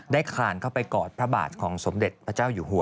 คลานเข้าไปกอดพระบาทของสมเด็จพระเจ้าอยู่หัว